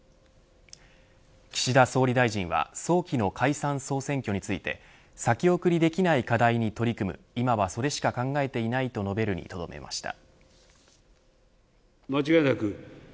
岸田総理大臣は早期の解散総選挙について先送りできない課題に取り組む今はそれしか考えていないと述べるにとどめました。